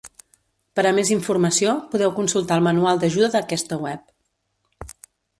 Per a més informació, podeu consultar el manual d'ajuda d'aquesta web.